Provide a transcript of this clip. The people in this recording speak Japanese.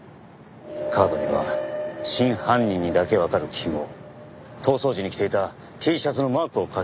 カードには真犯人にだけわかる記号逃走時に着ていたＴシャツのマークを描き込んだ。